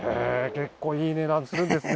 結構いい値段するんですね